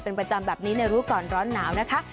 เป็นประจำแบบนี้ในรู้ก่อนร้อนหนาวนะคะ